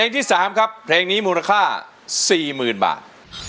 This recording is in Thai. ที่๓ครับเพลงนี้มูลค่า๔๐๐๐บาท